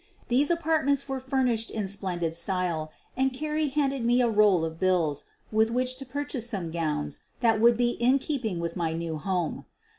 These apartments were furnished in splendid style and Carrie handed me a roll of bills with which to purchase some gowns that would be in keeping with my new home.